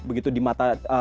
begitu di mata